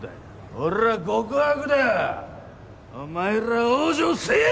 俺は極悪だお前ら往生せえや！